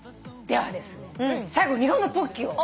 では最後日本のポッキーを。